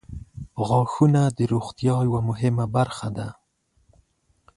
• غاښونه د روغتیا یوه مهمه برخه ده.